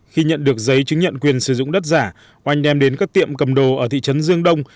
khi nhận được giấy chứng nhận quyền sử dụng đất giả oanh đem đến các tiệm cầm đồ ở thị trấn dương đông